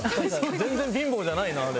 全然貧乏じゃないなあれ。